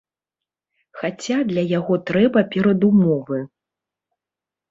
Хаця для яго трэба перадумовы.